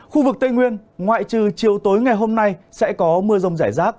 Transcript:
khu vực tây nguyên ngoại trừ chiều tối ngày hôm nay sẽ có mưa rông rải rác